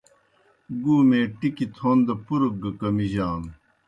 گُومے ٹِکیْ تھون دہ پُرگ گہ کمِجانوْ۔